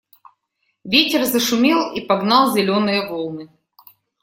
Ветер зашумел и погнал зеленые волны.